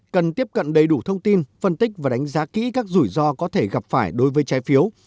cần tiếp cận đầy đủ thông tin phân tích và đánh giá kỹ các rủi ro có thể gặp phải đối với trái phiếu